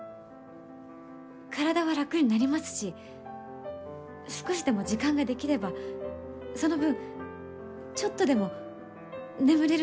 体は楽になりますし少しでも時間ができればその分ちょっとでも眠れると思うんです。